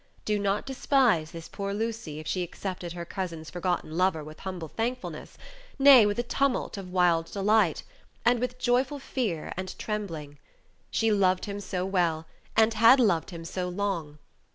Do not despise this poor Lucy if she accepted her cousin's forgotten lover with humble thankfulness, nay, with a tumult of wild delight, and with joyful fear and trembling. She loved him so well, and had loved him so long.